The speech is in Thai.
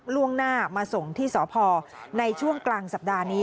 ล่วงหน้ามาส่งที่สพในช่วงกลางสัปดาห์นี้